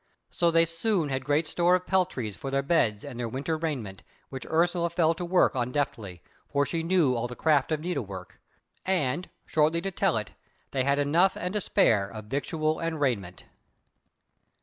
So they soon had good store of peltries for their beds and their winter raiment, which Ursula fell to work on deftly, for she knew all the craft of needlework; and, shortly to tell it, they had enough and to spare of victual and raiment.